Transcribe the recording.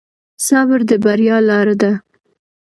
صبر د بریا لاره ده.